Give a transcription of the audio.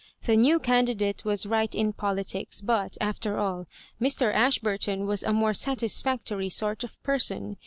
The new candidate was right in politics ; but, after all, Mr. Ashburton was a more satisfactory sort of person.